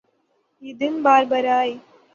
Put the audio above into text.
یہ دن بار بارآۓ